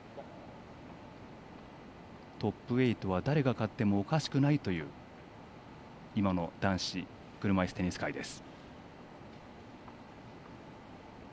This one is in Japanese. トップ８は誰が勝ってもおかしくないという今の男子車いすテニス界です。